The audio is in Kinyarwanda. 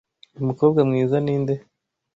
Uyu mukobwa mwiza ninde?